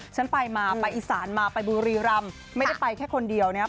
ฉันไปมาไปอีสานมาไปบุรีรำไม่ได้ไปแค่คนเดียวนะครับ